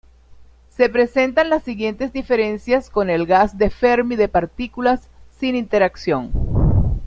Se presentan las siguientes diferencias con el gas de Fermi de partículas sin interacción.